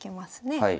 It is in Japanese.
はい。